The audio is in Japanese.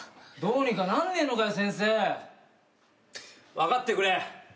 分かってくれ。